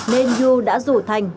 nên yu đã rủ thành